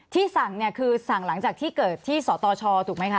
ที่สั่งคือสั่งหลังจากที่เกิดที่สตชถูกมั้ยคะ